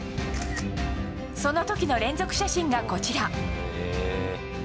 その時の連続写真がこちら。